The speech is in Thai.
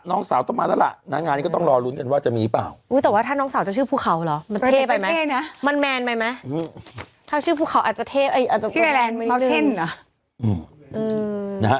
น้องสาวต้องมาแล้วแหละ๖๔๑๐๐